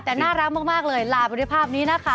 แต่น่ารักมากเลยลาไปด้วยภาพนี้นะคะ